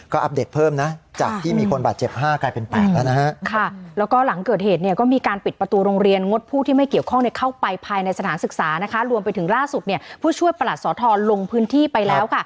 ก็อัปเดตเพิ่มนะจากที่มีคนบาดเจ็บ๕กลายเป็น๘แล้วนะฮะ